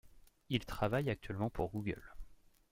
Il travaille actuellement pour Google.